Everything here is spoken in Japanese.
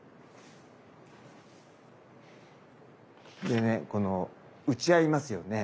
でねこの打ち合いますよね？